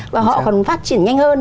và họ còn phát triển nhanh hơn